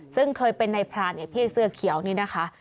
ซึ่งเคยเป็นนายพรานพี่เสื้อเขียวนี่นะคะ